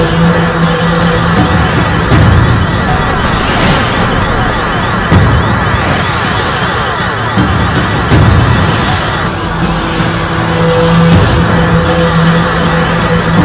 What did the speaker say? lho kerana patung itu memangkah salib karma